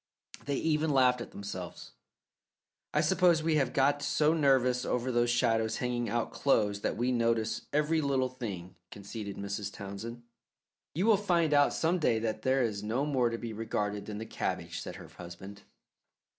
They even laughed at themselves. "I suppose we have got so nervous over those shadows hanging out clothes that we notice every little thing," conceded Mrs. Townsend. "You will find out some day that that is no more to be regarded than the cabbage," said her husband.